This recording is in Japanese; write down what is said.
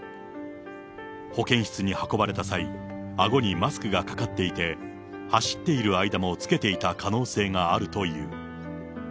保健室に運ばれた際、あごにマスクがかかっていて、走っている間もつけていた可能性があるという。